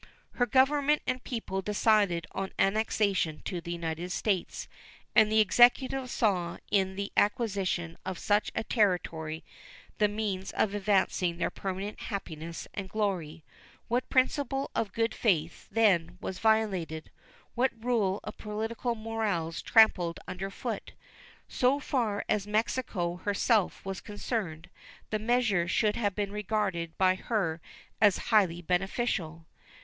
Her Government and people decided on annexation to the United States, and the Executive saw in the acquisition of such a territory the means of advancing their permanent happiness and glory. What principle of good faith, then, was violated? What rule of political morals trampled under foot? So far as Mexico herself was concerned, the measure should have been regarded by her as highly beneficial.